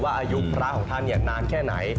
ว่าอายุพระของท่านอย่างนานแค่ไหน